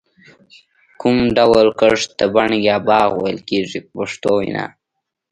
کوم ډول کښت ته بڼ یا باغ ویل کېږي په پښتو وینا.